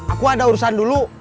aku ada urusan dulu